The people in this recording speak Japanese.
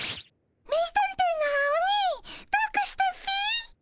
名探偵のアオニイどうかしたっピ？